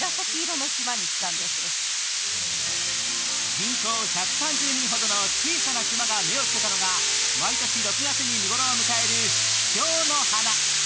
人口１３０人ほどの小さな島が目をつけたのが毎年６月に見ごろを迎えるキキョウの花。